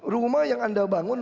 rumah yang anda bangun